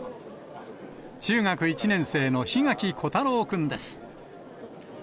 中学１年生の檜垣虎太郎君です。